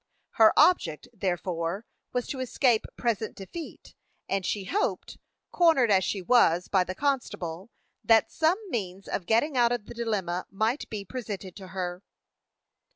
Her object, therefore, was to escape present defeat, and she hoped, cornered as she was by the constable, that some means of getting out of the dilemma might be presented to her.